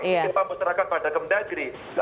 ini dipampus terangkan pada kementerian negeri